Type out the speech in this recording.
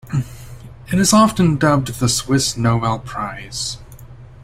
It is often dubbed the Swiss Nobel Prize.